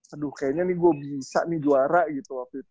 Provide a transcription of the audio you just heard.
aduh kayaknya nih gue bisa nih juara gitu waktu itu